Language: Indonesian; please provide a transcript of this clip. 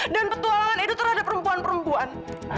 dan petualangan edo terhadap perempuan perempuan